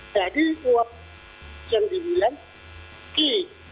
jadi uang yang dibilang i